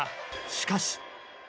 しかし。